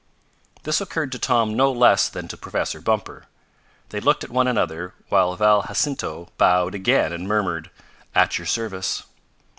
This occurred to Tom no less than to Professor Bumper. They looked at one another while Val Jacinto bowed again and murmured: "At your service!"